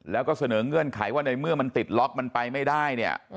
แล้วก็เสนอเงื่อนไขว่าในเมื่อมันติดล็อกมันไปไม่ได้เนี่ย